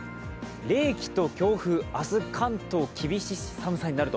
冷気と強風、明日、関東、厳しい寒さになると。